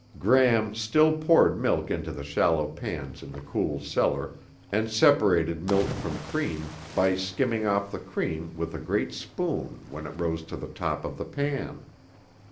Gram still poured milk into shallow pans in the cool cellar, and separated milk from cream by skimming off the cream with a great spoon when it rose to the top of the pan.